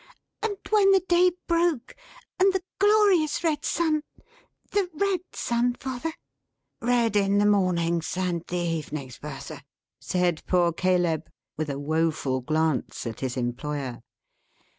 And when the day broke, and the glorious red sun the red sun, father?" "Red in the mornings and the evenings, Bertha," said poor Caleb, with a woeful glance at his employer.